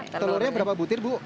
telurnya berapa butir bu